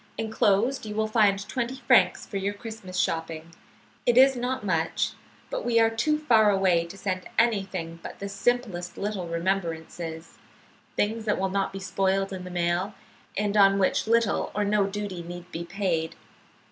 Enclosed you will find twenty francs for your Christmas shopping. It is not much, but we are too far away to send anything but the simplest little remembrances, things that will not be spoiled in the mail, and on which little or no duty need be paid.